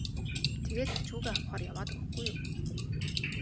тэгээд ач хүүгээ авахаар яваад өгөхгүй юу.